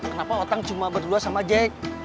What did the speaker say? kenapa otak cuma berdua sama jack